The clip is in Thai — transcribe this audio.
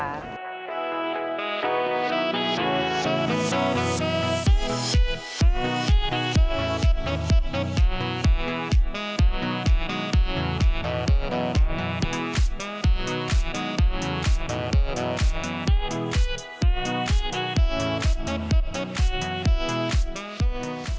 คุณผู้ชมค่ะ